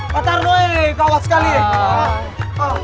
pak tarno kawal sekali ya